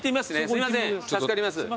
すいません助かります。